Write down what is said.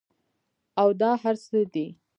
او دا هر څۀ دي